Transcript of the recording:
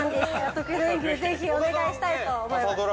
得意の演技をぜひお願いしたいと思います。